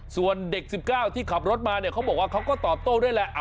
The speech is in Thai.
ส่วนเด็ก๑๙ที่ขับรถมาเนี่ยเขาบอกว่าเขาก็ตอบโต้ด้วยแหละ